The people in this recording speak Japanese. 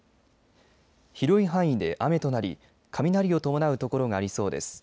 広い範囲で雨となり雷を伴う所がありそうです。